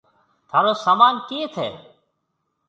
ٿارو سامان ڪيٿ هيَ۔